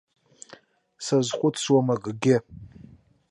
Сазхәыцуам акгьы.